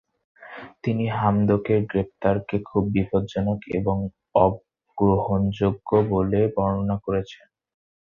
তিনি হামদোকের গ্রেপ্তারকে "খুব বিপজ্জনক এবং অগ্রহণযোগ্য" বলে বর্ণনা করেছেন।